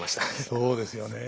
そうですよね。